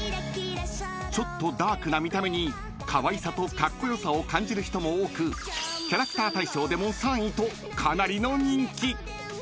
［ちょっとダークな見た目にかわいさとカッコ良さを感じる人も多くキャラクター大賞でも３位とかなりの人気］